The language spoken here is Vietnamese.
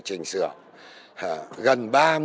chỉnh sửa gần ba mươi